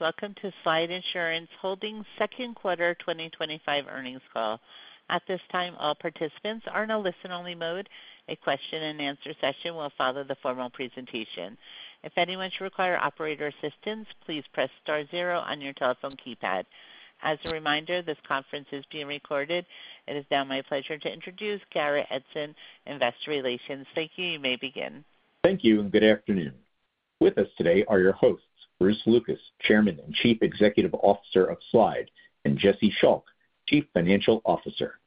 Welcome to Slide Insurance's Second Quarter 2025 Earnings Call. At this time, all participants are in a listen-only mode. A question and answer session will follow the formal presentation. If anyone should require operator assistance, please press star zero on your telephone keypad. As a reminder, this conference is being recorded. It is now my pleasure to introduce Garrett Edson, Investor Relations. Thank you. You may begin. Thank you and good afternoon. With us today are your hosts, Bruce Lucas, Chairman and Chief Executive Officer of Slide Insurance Holdings, and Jesse Schalk, Chief Financial Officer.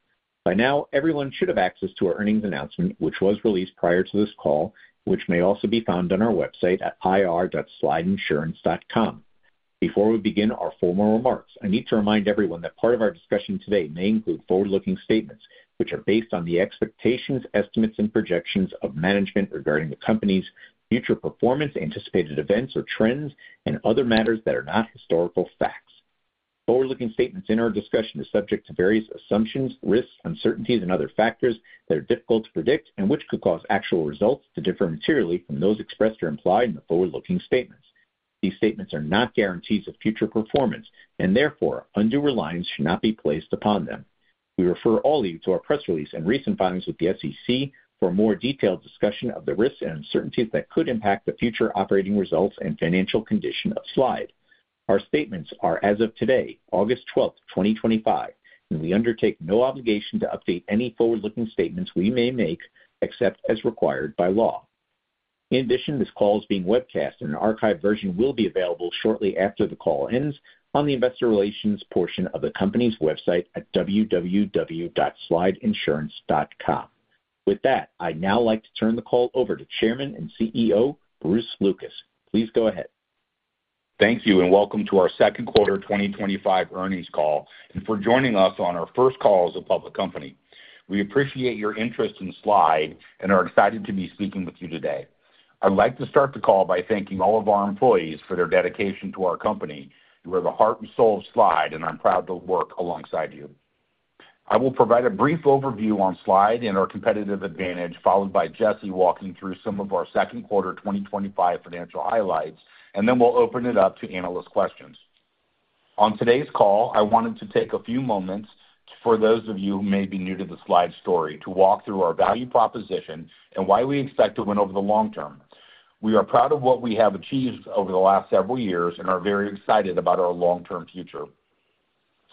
By now, everyone should have access to our earnings announcement, which was released prior to this call, which may also be found on our website at ir.slideinsurance.com. Before we begin our formal remarks, I need to remind everyone that part of our discussion today may include forward-looking statements, which are based on the expectations, estimates, and projections of management regarding the company's future performance, anticipated events or trends, and other matters that are not historical facts. Forward-looking statements in our discussion are subject to various assumptions, risks, uncertainties, and other factors that are difficult to predict and which could cause actual results to differ materially from those expressed or implied in the forward-looking statements. These statements are not guarantees of future performance, and therefore, undue reliance should not be placed upon them. We refer all of you to our press release and recent filings with the SEC for a more detailed discussion of the risks and uncertainties that could impact the future operating results and financial condition of Slide Insurance Holdings. Our statements are as of today, August 12, 2025, and we undertake no obligation to update any forward-looking statements we may make except as required by law. In addition, this call is being webcast, and an archived version will be available shortly after the call ends on the investor relations portion of the company's website at www.slideinsurance.com. With that, I'd now like to turn the call over to Chairman and CEO Bruce Lucas. Please go ahead. Thank you and welcome to our second quarter 2025 earnings call and for joining us on our first call as a public company. We appreciate your interest in Slide and are excited to be speaking with you today. I'd like to start the call by thanking all of our employees for their dedication to our company. You are the heart and soul of Slide, and I'm proud to work alongside you. I will provide a brief overview on Slide and our competitive advantage, followed by Jesse walking through some of our second quarter 2025 financial highlights, and then we'll open it up to analyst questions. On today's call, I wanted to take a few moments for those of you who may be new to the Slide story to walk through our value proposition and why we expect to win over the long term. We are proud of what we have achieved over the last several years and are very excited about our long-term future.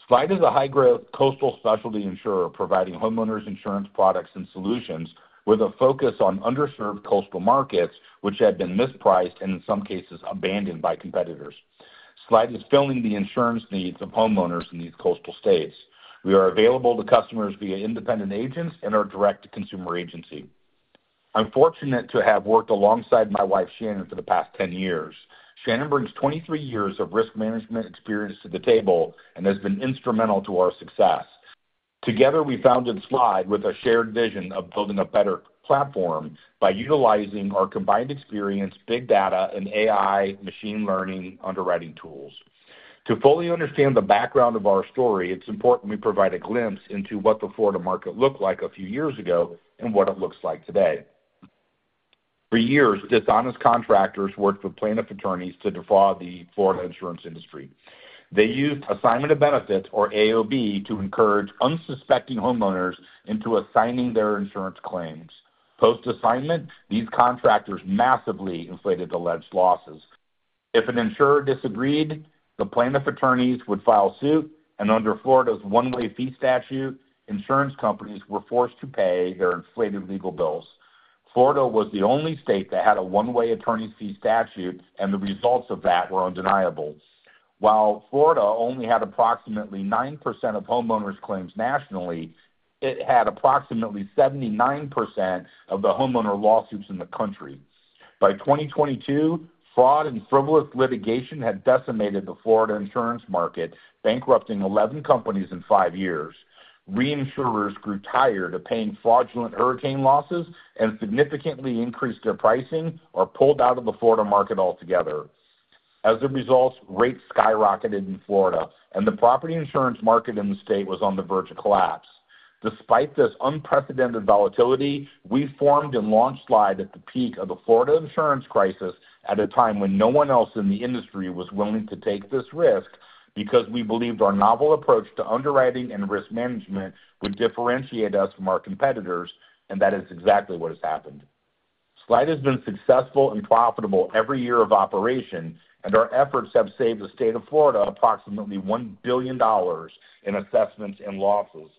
Slide is a high-growth coastal specialty insurer providing homeowners insurance products and solutions with a focus on underserved coastal markets, which had been mispriced and in some cases abandoned by competitors. Slide is filling the insurance needs of homeowners in these coastal states. We are available to customers via independent agents and our direct-to-consumer agency. I'm fortunate to have worked alongside my wife, Shannon, for the past 10 years. Shannon brings 23 years of risk management experience to the table and has been instrumental to our success. Together, we founded Slide with a shared vision of building a better platform by utilizing our combined experience, big data, and AI machine learning underwriting tools. To fully understand the background of our story, it's important we provide a glimpse into what the Florida market looked like a few years ago and what it looks like today. For years, dishonest contractors worked for plaintiff attorneys to defraud the Florida insurance industry. They used assignment of benefits, or AOB, to encourage unsuspecting homeowners into assigning their insurance claims. Post-assignment, these contractors massively inflated alleged losses. If an insurer disagreed, the plaintiff attorneys would file suit, and under Florida's one-way fee statute, insurance companies were forced to pay their inflated legal bills. Florida was the only state that had a one-way attorney's fee statute, and the results of that were undeniable. While Florida only had approximately 9% of homeowners' claims nationally, it had approximately 79% of the homeowner lawsuits in the country. By 2022, fraud and frivolous litigation had decimated the Florida insurance market, bankrupting 11 companies in five years. Reinsurers grew tired of paying fraudulent hurricane losses and significantly increased their pricing or pulled out of the Florida market altogether. As a result, rates skyrocketed in Florida, and the property insurance market in the state was on the verge of collapse. Despite this unprecedented volatility, we formed and launched Slide at the peak of the Florida insurance crisis at a time when no one else in the industry was willing to take this risk because we believed our novel approach to underwriting and risk management would differentiate us from our competitors, and that is exactly what has happened. Slide has been successful and profitable every year of operation, and our efforts have saved the state of Florida approximately $1 billion in assessments and losses.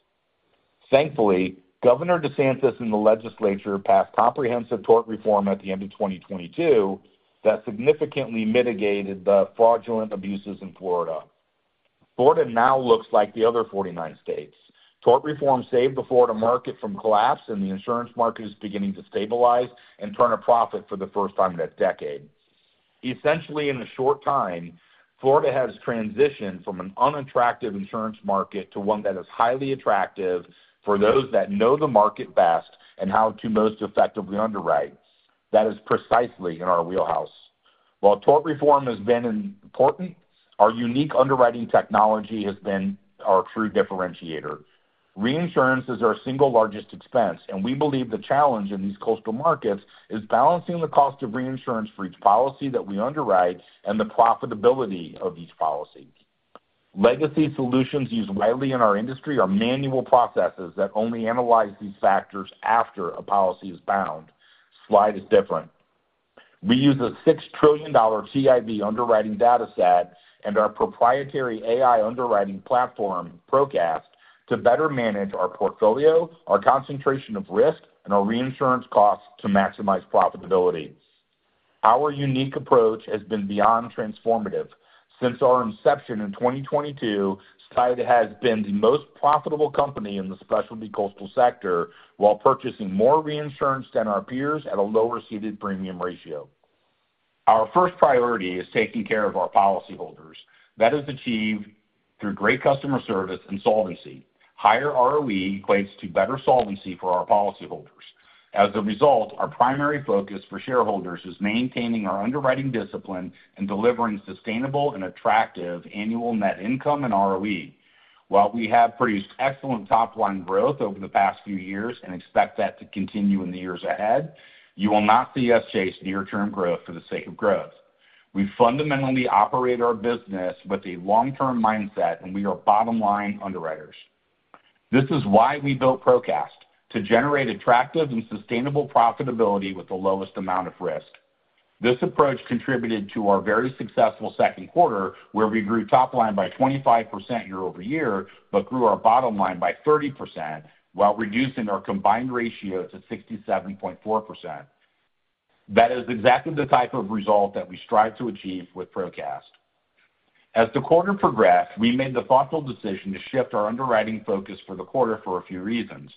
Thankfully, Governor DeSantis and the legislature passed comprehensive tort reform at the end of 2022 that significantly mitigated the fraudulent abuses in Florida. Florida now looks like the other 49 states. Tort reform saved the Florida market from collapse, and the insurance market is beginning to stabilize and turn a profit for the first time in a decade. Essentially, in a short time, Florida has transitioned from an unattractive insurance market to one that is highly attractive for those that know the market best and how to most effectively underwrite. That is precisely in our wheelhouse. While tort reform has been important, our unique underwriting technology has been our true differentiator. Reinsurance is our single largest expense, and we believe the challenge in these coastal markets is balancing the cost of reinsurance for each policy that we underwrite and the profitability of each policy. Legacy solutions used widely in our industry are manual processes that only analyze these factors after a policy is bound. Slide is different. We use a $6 trillion TIV underwriting dataset and our proprietary AI underwriting platform, ProCast, to better manage our portfolio, our concentration of risk, and our reinsurance costs to maximize profitability. Our unique approach has been beyond transformative. Since our inception in 2022, Slide has been the most profitable company in the specialty coastal sector while purchasing more reinsurance than our peers at a lower ceded premium ratio. Our first priority is taking care of our policyholders. That is achieved through great customer service and solvency. Higher ROE equates to better solvency for our policyholders. As a result, our primary focus for shareholders is maintaining our underwriting discipline and delivering sustainable and attractive annual net income and ROE. While we have produced excellent top-line growth over the past few years and expect that to continue in the years ahead, you will not see us chase near-term growth for the sake of growth. We fundamentally operate our business with a long-term mindset, and we are bottom-line underwriters. This is why we built ProCast, to generate attractive and sustainable profitability with the lowest amount of risk. This approach contributed to our very successful second quarter, where we grew top line by 25% year-over-year, but grew our bottom line by 30% while reducing our combined ratios to 67.4%. That is exactly the type of result that we strive to achieve with ProCast. As the quarter progressed, we made the thoughtful decision to shift our underwriting focus for the quarter for a few reasons.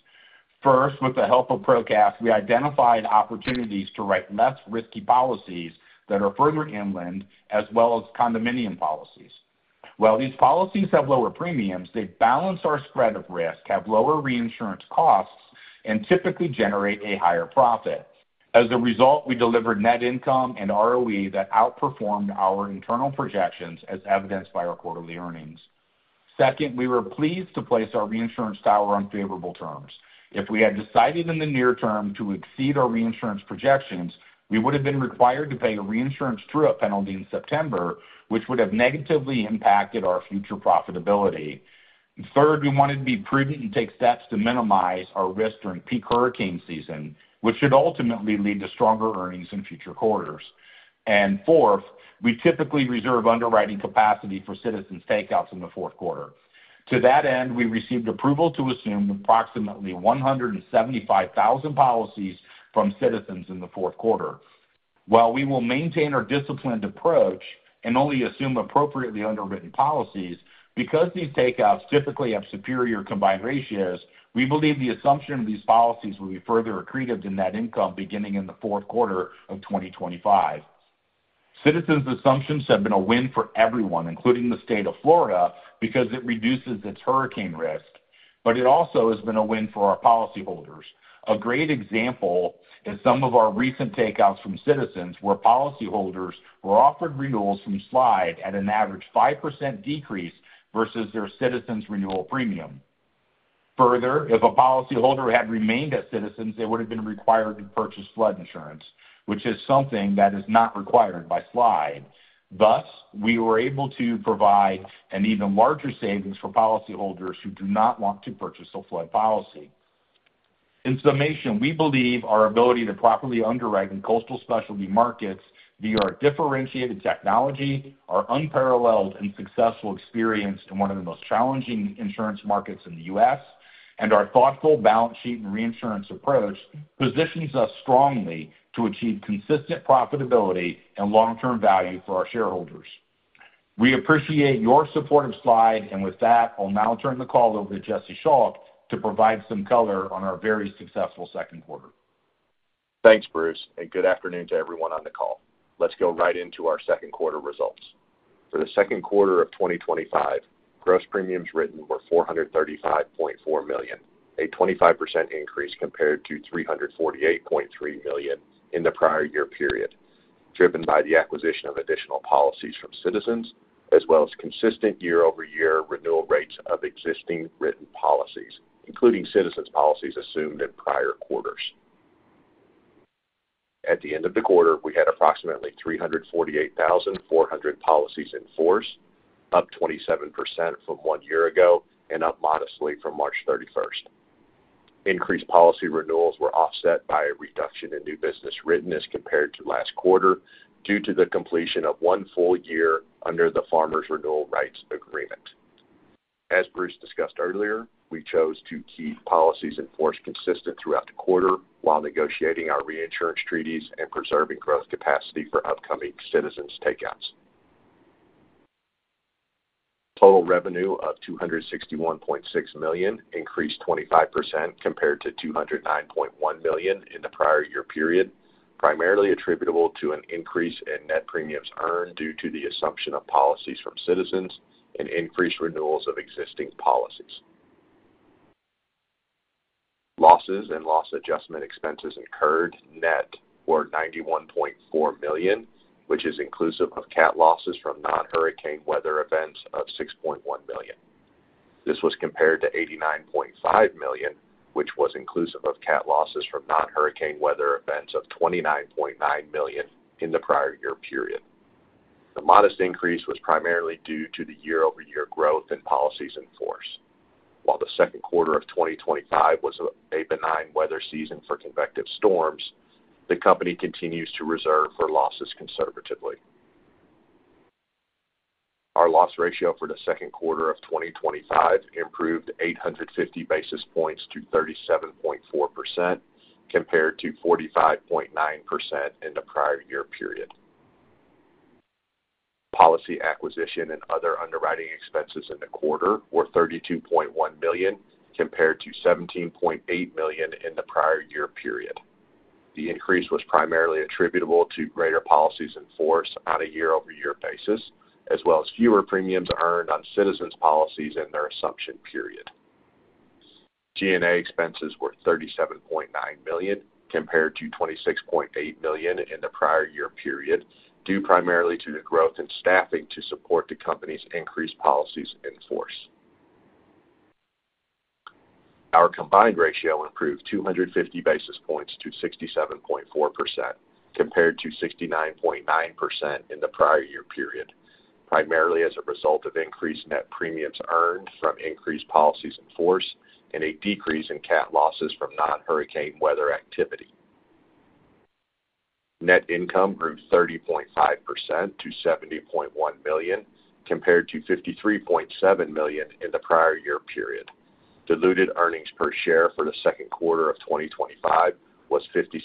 First, with the help of ProCast, we identified opportunities to write less risky policies that are further inland, as well as condominium policies. While these policies have lower premiums, they balance our spread of risk, have lower reinsurance costs, and typically generate a higher profit. As a result, we delivered net income and ROE that outperformed our internal projections, as evidenced by our quarterly earnings. Second, we were pleased to place our reinsurance tower on favorable terms. If we had decided in the near term to exceed our reinsurance projections, we would have been required to pay a reinsurance throat penalty in September, which would have negatively impacted our future profitability. Third, we wanted to be prudent and take steps to minimize our risk during peak hurricane season, which should ultimately lead to stronger earnings in future quarters. Fourth, we typically reserve underwriting capacity for Citizens takeouts in the fourth quarter. To that end, we received approval to assume approximately 175,000 policies from Citizens in the fourth quarter. While we will maintain our disciplined approach and only assume appropriately underwritten policies, because these takeouts typically have superior combined ratios, we believe the assumption of these policies will be further accretive to net income beginning in the fourth quarter of 2025. Citizens' assumptions have been a win for everyone, including the state of Florida, because it reduces its hurricane risk. It also has been a win for our policyholders. A great example is some of our recent takeouts from Citizens, where policyholders were offered renewals from Slide at an average 5% decrease versus their Citizens renewal premium. Further, if a policyholder had remained a Citizen, they would have been required to purchase flood insurance, which is something that is not required by Slide. Thus, we were able to provide an even larger savings for policyholders who do not want to purchase a flood policy. In summation, we believe our ability to properly underwrite in coastal specialty markets via our differentiated technology, our unparalleled and successful experience in one of the most challenging insurance markets in the U.S., and our thoughtful balance sheet and reinsurance approach positions us strongly to achieve consistent profitability and long-term value for our shareholders. We appreciate your support of Slide, and with that, I'll now turn the call over to Jesse Schalk to provide some color on our very successful second quarter. Thanks, Bruce, and good afternoon to everyone on the call. Let's go right into our second quarter results. For the second quarter of 2025, gross premiums written were $435.4 million, a 25% increase compared to $348.3 million in the prior year period, driven by the acquisition of additional policies from Citizens, as well as consistent year-over-year renewal rates of existing written policies, including Citizens' policies assumed in prior quarters. At the end of the quarter, we had approximately 348,400 policies in force, up 27% from one year ago, and up modestly from March 31st. Increased policy renewals were offset by a reduction in new business written as compared to last quarter due to the completion of one full year under the Farmers renewal rights agreement. As Bruce discussed earlier, we chose to keep policies in force consistent throughout the quarter while negotiating our reinsurance treaties and preserving growth capacity for upcoming Citizens' takeouts. Total revenue of $261.6 million increased 25% compared to $209.1 million in the prior year period, primarily attributable to an increase in net premiums earned due to the assumption of policies from Citizens and increased renewals of existing policies. Losses and loss adjustment expenses incurred net were $91.4 million, which is inclusive of CAT losses from non-hurricane weather events of $6.1 million. This was compared to $89.5 million, which was inclusive of CAT losses from non-hurricane weather events of $29.9 million in the prior year period. The modest increase was primarily due to the year-over-year growth in policies in force. While the second quarter of 2025 was a benign weather season for convective storms, the company continues to reserve for losses conservatively. Our loss ratio for the second quarter of 2025 improved 850 basis points to 37.4% compared to 45.9% in the prior year period. Policy acquisition and other underwriting expenses in the quarter were $32.1 million compared to $17.8 million in the prior year period. The increase was primarily attributable to greater policies in force on a year-over-year basis, as well as fewer premiums earned on Citizens' policies in their assumption period. G&A expenses were $37.9 million compared to $26.8 million in the prior year period, due primarily to the growth in staffing to support the company's increased policies in force. Our combined ratio improved 250 basis points to 67.4% compared to 69.9% in the prior year period, primarily as a result of increased net premiums earned from increased policies in force and a decrease in CAT losses from non-hurricane weather activity. Net income grew 30.5% to $70.1 million compared to $53.7 million in the prior year period. Diluted earnings per share for the second quarter of 2025 was $0.56.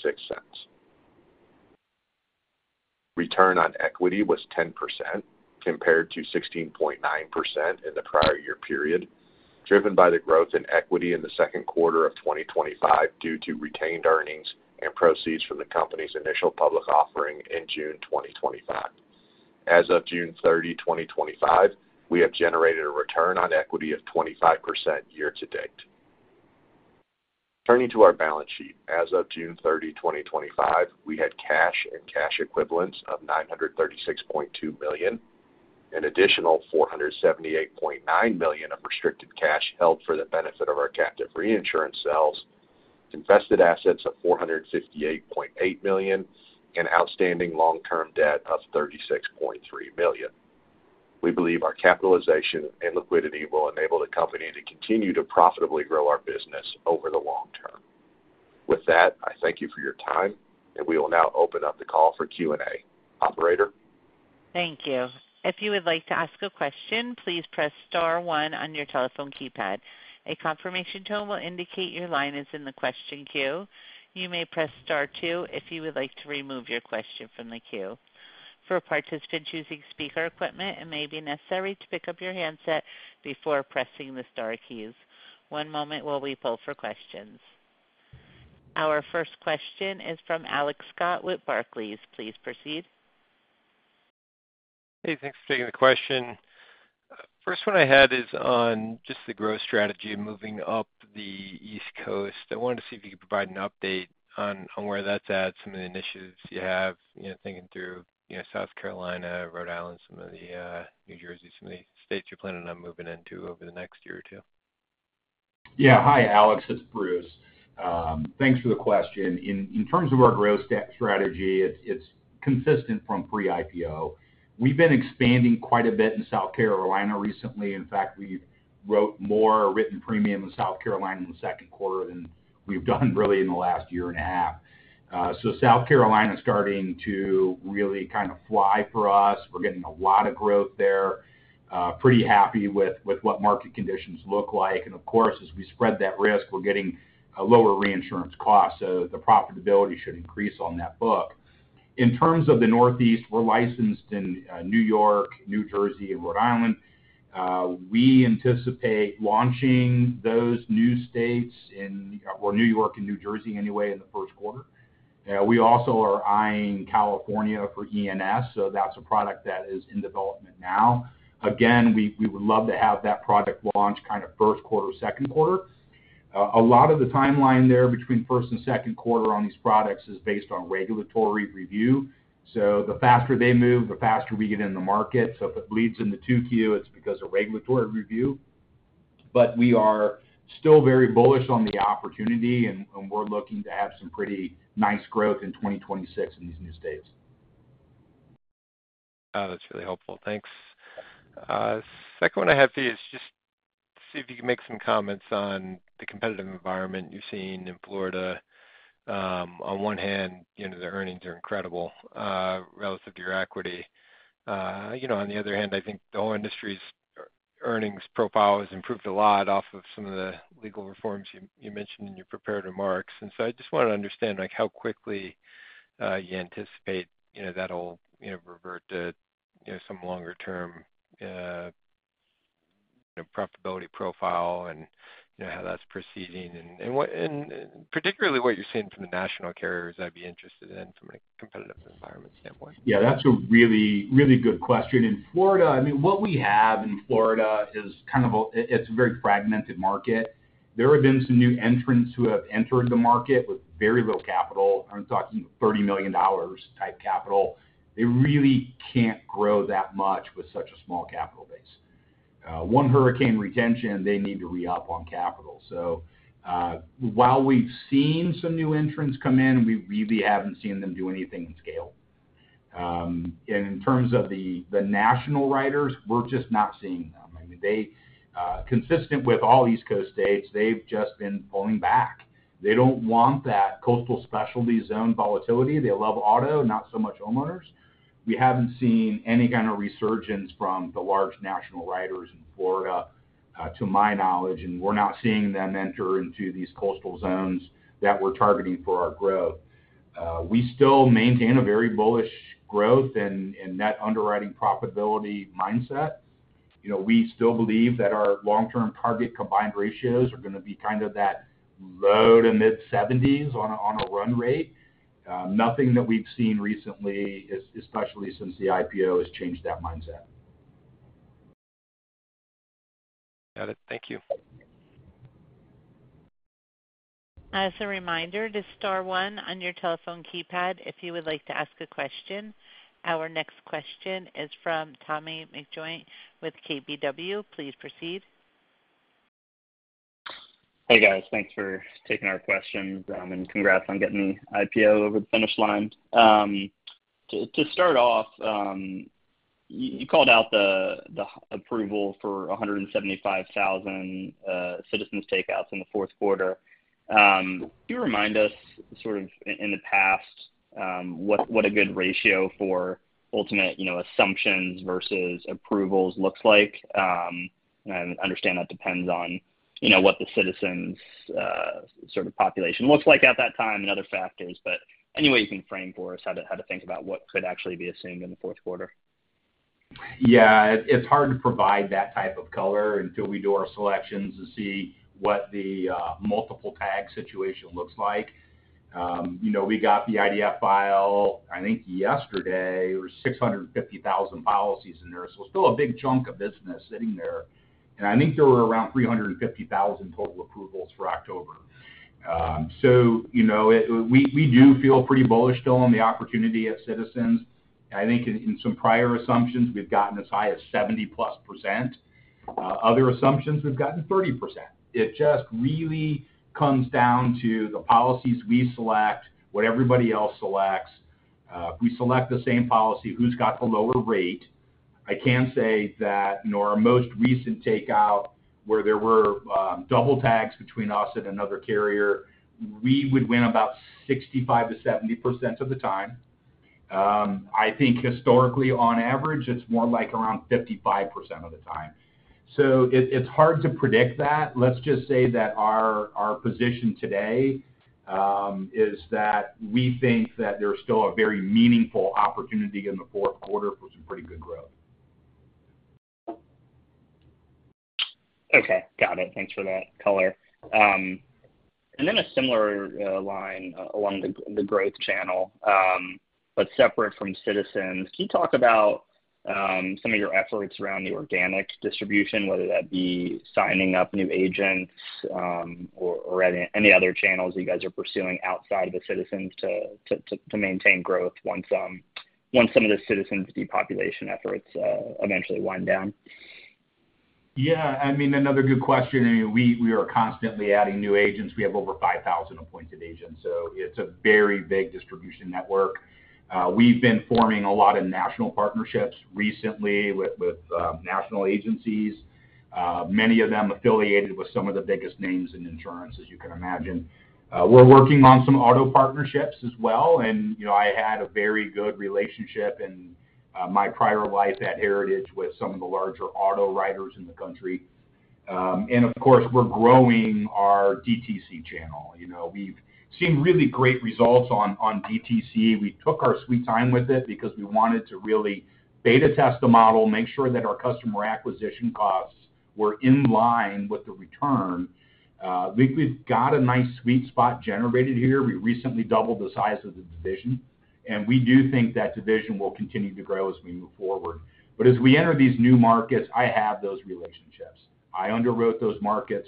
Return on equity was 10% compared to 16.9% in the prior year period, driven by the growth in equity in the second quarter of 2025 due to retained earnings and proceeds from the company's initial public offering in June 2025. As of June 30, 2025, we have generated a return on equity of 25% year to date. Turning to our balance sheet, as of June 30, 2025, we had cash and cash equivalents of $936.2 million, an additional $478.9 million of restricted cash held for the benefit of our captive reinsurance sales, invested assets of $458.8 million, and outstanding long-term debt of $36.3 million. We believe our capitalization and liquidity will enable the company to continue to profitably grow our business over the long term. With that, I thank you for your time, and we will now open up the call for Q&A. Operator. Thank you. If you would like to ask a question, please press star one on your telephone keypad. A confirmation tone will indicate your line is in the question queue. You may press star two if you would like to remove your question from the queue. For participants using speaker equipment, it may be necessary to pick up your handset before pressing the star keys. One moment while we pull for questions. Our first question is from Alex Scott with Barclays. Please proceed Hey, thanks for taking the question. First one I had is on just the growth strategy of moving up the East Coast. I wanted to see if you could provide an update on where that's at, some of the initiatives you have, thinking through South Carolina, Rhode Island, some of the New Jersey, some of the states you're planning on moving into over the next year or two. Yeah. Hi, Alex. It's Bruce. Thanks for the question. In terms of our growth strategy, it's consistent from pre-IPO. We've been expanding quite a bit in South Carolina recently. In fact, we wrote more written premium in South Carolina in the second quarter than we've done really in the last year and a half. South Carolina is starting to really kind of fly for us. We're getting a lot of growth there. Pretty happy with what market conditions look like. Of course, as we spread that risk, we're getting a lower reinsurance cost. The profitability should increase on that book. In terms of the Northeast, we're licensed in New York, New Jersey, and Rhode Island. We anticipate launching those new states in, or New York and New Jersey anyway, in the first quarter. We also are eyeing California for E&S. That's a product that is in development now. Again, we would love to have that product launch kind of first quarter, second quarter. A lot of the timeline there between first and second quarter on these products is based on regulatory review. The faster they move, the faster we get in the market. If it leads in the two-Q, it's because of regulatory review. We are still very bullish on the opportunity, and we're looking to have some pretty nice growth in 2026 in these new states. Oh, that's really helpful. Thanks. The second one I have for you is just to see if you can make some comments on the competitive environment you've seen in Florida. On one hand, you know, the earnings are incredible relative to your equity. On the other hand, I think the whole industry's earnings profile has improved a lot off of some of the legal reforms you mentioned in your prepared remarks. I just want to understand how quickly you anticipate that'll revert to some longer-term profitability profile and how that's proceeding and particularly what you're seeing from the national carriers. I'd be interested in that from a competitive environment standpoint. Yeah, that's a really, really good question. In Florida, what we have in Florida is kind of a very fragmented market. There have been some new entrants who have entered the market with very little capital. I'm talking $30 million type capital. They really can't grow that much with such a small capital base. One hurricane retention, they need to re-up on capital. While we've seen some new entrants come in, we really haven't seen them do anything in scale. In terms of the national writers, we're just not seeing them. I mean, they, consistent with all East Coast states, have just been pulling back. They don't want that coastal specialty zone volatility. They love auto, not so much homeowners. We haven't seen any kind of resurgence from the large national writers in Florida, to my knowledge, and we're not seeing them enter into these coastal zones that we're targeting for our growth. We still maintain a very bullish growth and net underwriting profitability mindset. We still believe that our long-term target combined ratios are going to be kind of that low to mid-70s on a run rate. Nothing that we've seen recently, especially since the IPO, has changed that mindset. Got it. Thank you. As a reminder, just star one on your telephone keypad if you would like to ask a question. Our next question is from Tommy McJoynt with KBW. Please proceed. Hey, guys. Thanks for taking our questions, and congrats on getting the IPO over the finish line. To start off, you called out the approval for 175,000 Citizens' takeouts in the fourth quarter. Can you remind us in the past what a good ratio for ultimate assumptions versus approvals looks like? I understand that depends on what the Citizens population looks like at that time and other factors. Any way you can frame for us how to think about what could actually be assumed in the fourth quarter? Yeah, it's hard to provide that type of color until we do our selections to see what the multiple tag situation looks like. We got the IDF file, I think yesterday, there were 650,000 policies in there. It's still a big chunk of business sitting there. I think there were around 350,000 total approvals for October. We do feel pretty bullish still on the opportunity at Citizens. I think in some prior assumptions, we've gotten as high as 70%+. Other assumptions, we've gotten 30%. It just really comes down to the policies we select, what everybody else selects. If we select the same policy, who's got the lower rate? I can say that our most recent takeout where there were double tags between us and another carrier, we would win about 65%-70% of the time. I think historically, on average, it's won like around 55% of the time. It's hard to predict that. Let's just say that our position today is that we think that there's still a very meaningful opportunity in the fourth quarter for some pretty good growth. Okay. Got it. Thanks for that color. Then a similar line along the growth channel, but separate from Citizens. Can you talk about some of your efforts around the organic distribution, whether that be signing up new agents or any other channels you guys are pursuing outside of the Citizens to maintain growth once some of the Citizens' depopulation efforts eventually wind down? Yeah. I mean, another good question. We are constantly adding new agents. We have over 5,000 appointed agents, so it's a very big distribution network. We've been forming a lot of national partnerships recently with national agencies, many of them affiliated with some of the biggest names in insurance, as you can imagine. We're working on some auto partnerships as well. I had a very good relationship in my prior life at Heritage with some of the larger auto writers in the country. Of course, we're growing our direct-to-consumer channel. We've seen really great results on direct-to-consumer. We took our sweet time with it because we wanted to really beta test the model, make sure that our customer acquisition costs were in line with the return. We've got a nice sweet spot generated here. We recently doubled the size of the division, and we do think that division will continue to grow as we move forward. As we enter these new markets, I have those relationships. I underwrote those markets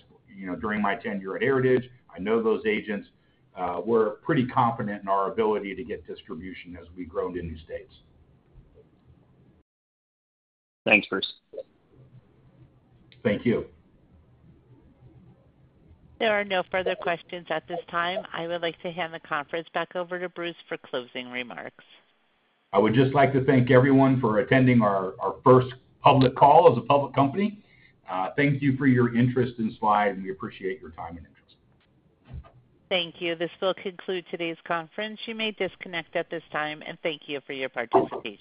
during my tenure at Heritage. I know those agents. We're pretty confident in our ability to get distribution as we grow into new states. Thanks, Bruce. Thank you. There are no further questions at this time. I would like to hand the conference back over to Bruce for closing remarks. I would just like to thank everyone for attending our first public call as a public company. Thank you for your interest in Slide, and we appreciate your time and interest. Thank you. This will conclude today's conference. You may disconnect at this time, and thank you for your participation.